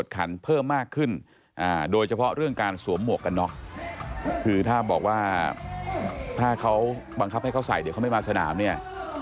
คือถ้าบอกว่าถ้าเขาบังคับให้เขาใส่เดี๋ยวเขาไม่มาสนามเนี่ย